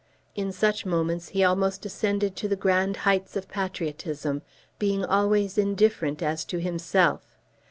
In such moments he almost ascended to the grand heights of patriotism, being always indifferent as to himself.